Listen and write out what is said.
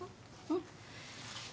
うん。